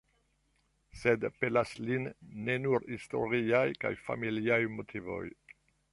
Sed pelas lin ne nur historiaj kaj familiaj motivoj.